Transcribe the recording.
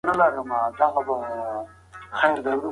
د دلارام په مځکي کي د کچالو او پیازو فصلونه ښه کېږي.